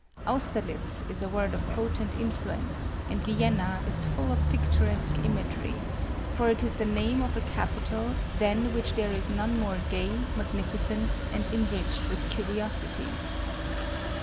Austerlitz is a word of potent influ ence, and Vienna is full of picturesque imagery, for it is the name of a capital than which there is none more gay, magnificent, and enriched with curiosities.